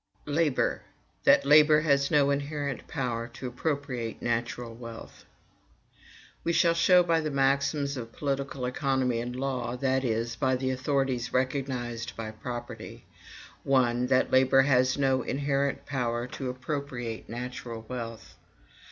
% 4. Labor That Labor Has No Inherent Power to Appropriate Natural Wealth. We shall show by the maxims of political economy and law, that is, by the authorities recognized by property, 1. That labor has no inherent power to appropriate natural wealth.